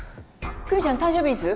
久実ちゃん誕生日いつ？